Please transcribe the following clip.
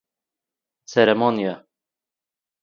צערעמאָניע